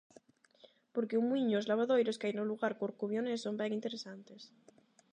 Porque o Muíño e os lavadoiros que hai no lugar corcubionés son ben interesantes.